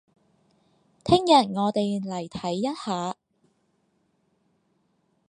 聽日我哋嚟睇一下